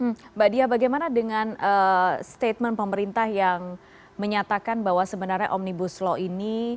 mbak dia bagaimana dengan statement pemerintah yang menyatakan bahwa sebenarnya omnibus law ini